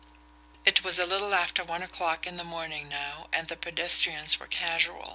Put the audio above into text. It was a little after one o'clock in the morning now and the pedestrians were casual.